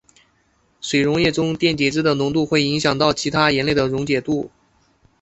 水溶液中电解质的浓度会影响到其他盐类的溶解度。